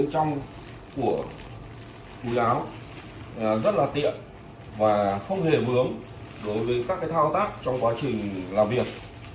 rất là tiện và không hề vướng đối với các thao tác trong quá trình làm việc